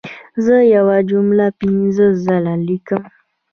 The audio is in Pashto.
زه یوه جمله پنځه ځله لیکم.